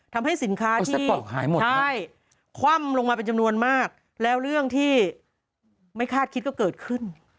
ทำให้สินค้าที่คว่ำลงมาเป็นจำนวนมากแล้วเรื่องที่ไม่คาดคิดก็เกิดขึ้น